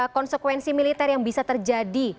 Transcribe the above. konsekuensi militer yang bisa terjadi